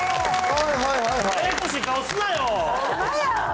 ややこしい顔すなよ。